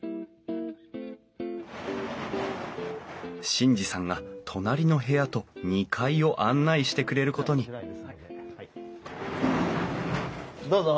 眞二さんが隣の部屋と２階を案内してくれることにどうぞ。